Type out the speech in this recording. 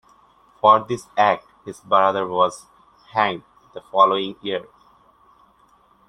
For this act his brother was hanged the following year.